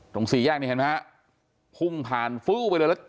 สี่แยกนี่เห็นไหมฮะพุ่งผ่านฟื้ไปเลยแล้ว